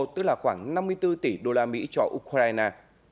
tức là khoảng năm mươi bốn tỷ đô la mỹ cho ukraine